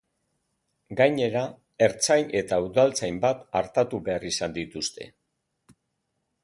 Gainera, ertzain eta udaltzain bat artatu behar izan dituzte.